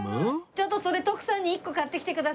ちょっとそれ徳さんに１個買ってきてください。